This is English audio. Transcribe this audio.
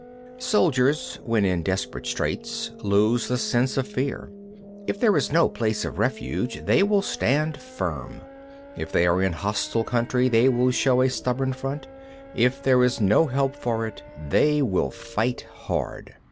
24. Soldiers when in desperate straits lose the sense of fear. If there is no place of refuge, they will stand firm. If they are in the heart of a hostile country, they will show a stubborn front. If there is no help for it, they will fight hard.